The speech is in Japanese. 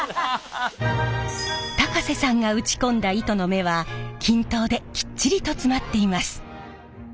高瀬さんが打ち込んだ糸の目は均等できっちりと詰まっています。